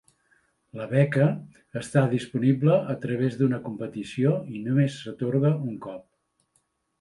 La beca està disponible a través d'una competició i només s'atorga un cop.